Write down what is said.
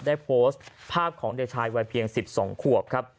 ได้โพสต์ภาพของเด็กชายวัยเพียง๑๒ขวบครับ